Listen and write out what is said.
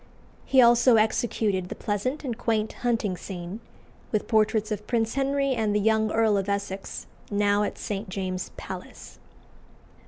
He also executed the pleasant and quaint hunting scene, with portraits of Prince Henry and the young Earl of Essex, now at St. James's Palace.